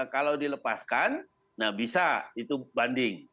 kalau dilepaskan nah bisa itu banding